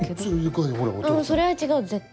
それは違う絶対。